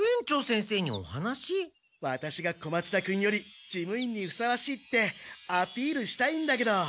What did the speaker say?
ワタシが小松田君より事務員にふさわしいってアピールしたいんだけど。